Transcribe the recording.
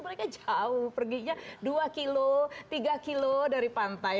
mereka jauh perginya dua kilo tiga kilo dari pantai